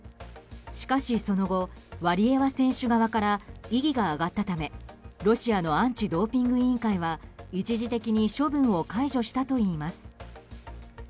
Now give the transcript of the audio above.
しかし、その後ワリエワ選手側から異議が上がったためロシアのアンチドーピング委員会は一時的に処分を解除したといいます。